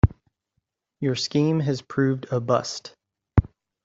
Your scheme has proved a bust.